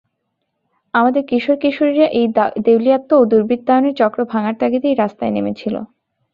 আমাদের কিশোর কিশোরীরা এই দেউলিয়াত্ব ও দুর্বৃত্তায়নের চক্র ভাঙার তাগিদেই রাস্তায় নেমেছিল।